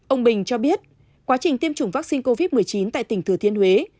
ông bình cho biết quá trình tiêm chủng vaccine covid một mươi chín tại tỉnh thừa thiên huế